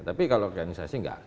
tapi kalau organisasi gak ada